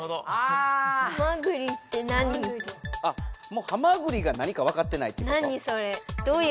もうハマグリが何かわかってないっていうこと？